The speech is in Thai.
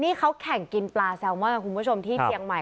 นี่เขาแข่งกินปลาแซลมอนคุณผู้ชมที่เชียงใหม่